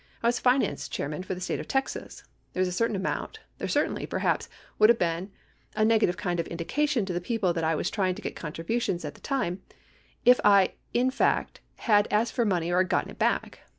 I was finance chairman for the State of Texas. There was a certain amount — there certainly, perhaps, would have been a negative kind of indication to the people that I was trying to get contributions at that time, if I in fact had asked for money or had gotten it back.